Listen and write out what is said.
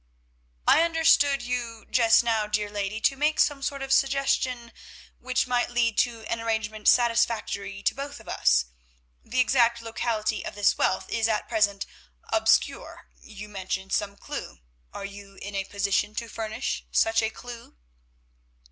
"I understood you just now, dear lady, to make some sort of suggestion which might lead to an arrangement satisfactory to both of us. The exact locality of this wealth is at present obscure—you mentioned some clue. Are you in a position to furnish such a clue?"